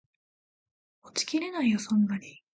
持ちきれないよそんなに